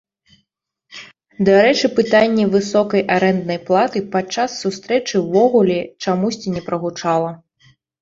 Дарэчы, пытанне высокай арэнднай платы падчас сустрэчы ўвогуле чамусьці не прагучала.